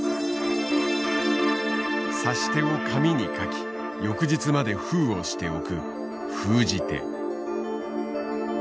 指し手を紙に書き翌日まで封をしておく封じ手。